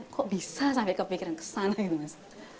kok bisa sampai kepikiran kesana gitu mas